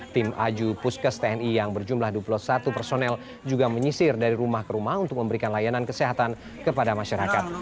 tim aju puskes tni yang berjumlah dua puluh satu personel juga menyisir dari rumah ke rumah untuk memberikan layanan kesehatan kepada masyarakat